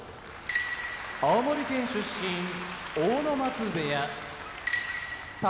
青森県出身阿武松部屋宝